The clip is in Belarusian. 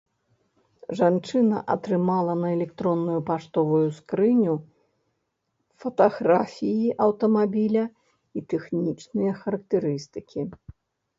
Жанчына атрымала на электронную паштовую скрыню фатаграфіі аўтамабіля і тэхнічныя характарыстыкі.